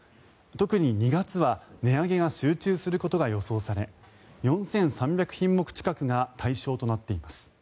特に２月は値上げが集中することが予想され４３００品目近くが対象となっています。